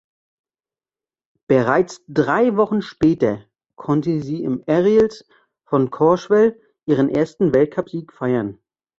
Bereits drei Wochen später konnte sie im Aerials von Courchevel ihren ersten Weltcupsieg feiern.